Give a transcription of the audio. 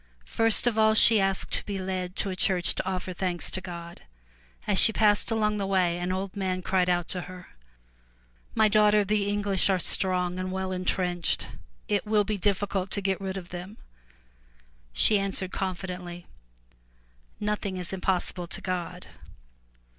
First of all she asked to be led to a church to offer thanks to God. As she passed along the way, an old man cried out to her, *'My daughter, the English are strong and well intrenched. It will be difficult to get rid of them !'' She answered confidently, "Nothing is impossible to God.''